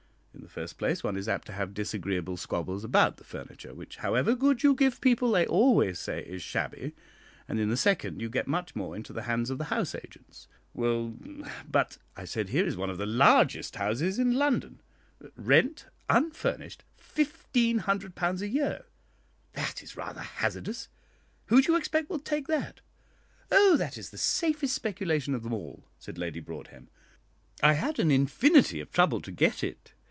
In the first place, one is apt to have disagreeable squabbles about the furniture, which, however good you give people, they always say is shabby; and in the second, you get much more into the hands of the house agents." "Well, but," I said, "here is one of the largest houses in London rent, unfurnished, £1500 a year. That is rather hazardous: who do you expect will take that?" "Oh, that is the safest speculation of them all," said Lady Broadhem. "I had an infinity of trouble to get it.